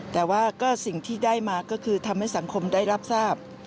แต่ว่าก็สิ่งที่ได้มาก็คือทำให้สังคมได้รับทราบ